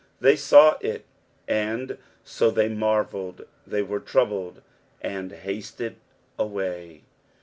5 They saw it, and so they marvelled ; they were troubled, and hasted away.